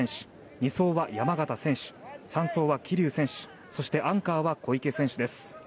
２走は、山縣選手３走は、桐生選手そしてアンカーは小池選手です。